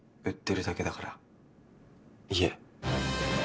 売ってるだけだから家。